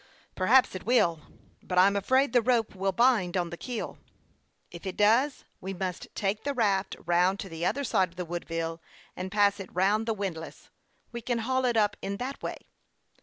" Perhaps it will ; but I'm afraid the rope will bind on the keel." "If it does, we must take the raft round to the other side of the Woodviile, and pass it round the windlass ; we can haul it up in that way."